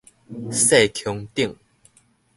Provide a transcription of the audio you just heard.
細穹頂